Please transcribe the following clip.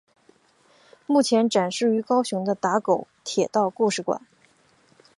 目前展示于高雄的打狗铁道故事馆。